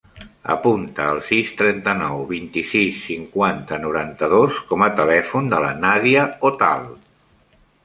Apunta el sis, trenta-nou, vint-i-sis, cinquanta, noranta-dos com a telèfon de la Nàdia Otal.